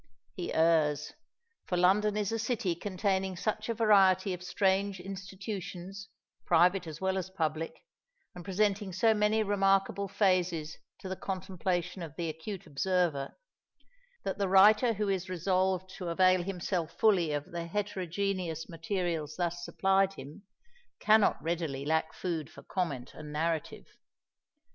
He errs; for London is a city containing such a variety of strange institutions, private as well as public, and presenting so many remarkable phases to the contemplation of the acute observer, that the writer who is resolved to avail himself fully of the heterogeneous materials thus supplied him, cannot readily lack food for comment and narrative.